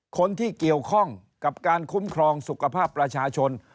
คนที่เกี่ยวข้องกับการคุ้มครองสุขภาพประชาชน